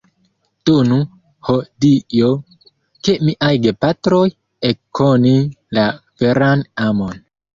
Donu, ho Dio, ke miaj gepatroj ekkonu la veran amon.